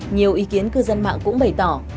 nhiều ý kiến cư dân mạng cũng bày tỏ